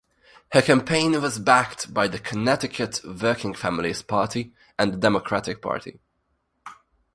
Her campaign was backed by the Connecticut Working Families Party and the Democratic Party.